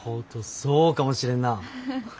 そうかもしれんなあ。